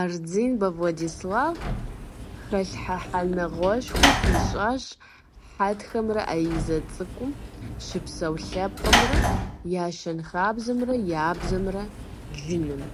Ардзинбэ Владислав хэлъхьэныгъэшхуэ хуищӀащ хьэтхэмрэ Азие ЦӀыкӀум щыпсэу лъэпкъхэмрэ я щэнхабзэмрэ я бзэмрэ джыным.